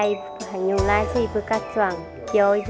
hình như là thiếu đũa rồi